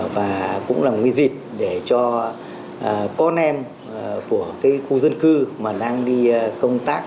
và cũng là một dịp để cho con em của khu dân cư mà đang đi công tác